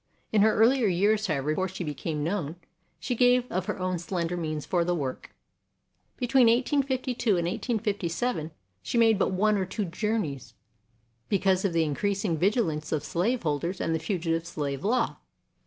In her earlier years, however, before she became known, she gave of her own slender means for the work. Between 1852 and 1857 she made but one or two journeys, because of the increasing vigilance of slaveholders and the Fugitive Slave Law.